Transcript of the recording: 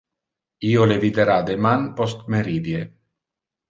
Io le videra deman postmeridie.